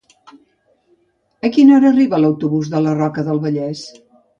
A quina hora arriba l'autobús de la Roca del Vallès?